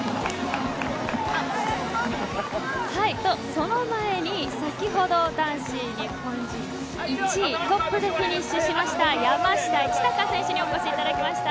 その前に先ほど男子日本人１位トップでフィニッシュした山下一貴選手にお越しいただきました。